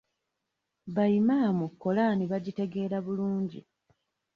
Bayimaamu Kolaani bagitegeera bulungi.